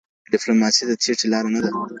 ډیپلوماسي د تېښتې لاره نه ده.